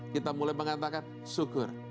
kita mulai mengatakan syukur